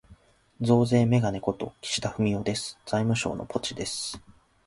増税めがね事、岸田文雄です。財務省のポチです。